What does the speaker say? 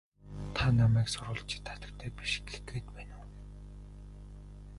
Та намайг сурвалжит хатагтай биш гэх гээд байна уу?